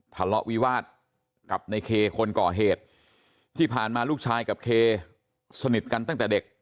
ทะเลาะวิวาสกับในเคคนก่อเหตุที่ผ่านมาลูกชายกับเคสนิทกันตั้งแต่เด็ก